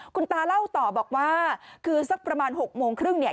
คุณตาเล่าต่อบอกว่าคือสักประมาณ๖โมงครึ่งเนี่ย